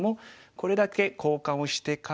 これだけ交換をしてから。